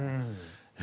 え